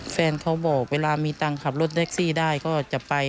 แฟนเขาบอกเวลามีตังค์ขับรถแท็กซี่ได้ก็จะไป